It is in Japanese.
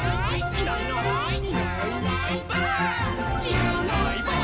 「いないいないばあっ！」